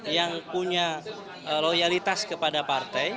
yang punya loyalitas kepada partai